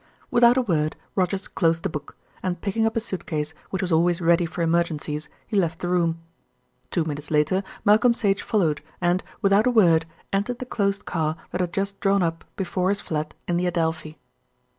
Without a word Rogers closed the book and, picking up a suit case, which was always ready for emergencies, he left the room. Two minutes later Malcolm Sage followed and, without a word, entered the closed car that had just drawn up before his flat in the Adelphi.